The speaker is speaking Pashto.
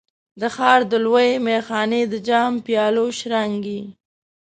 د ښار د لویې میخانې د جام، پیالو شرنګی